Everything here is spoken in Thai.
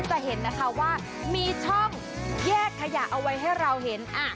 จะเห็นนะคะว่ามีช่องแยกขยะเอาไว้ให้เราเห็น